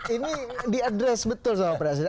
ini diadres betul sama presiden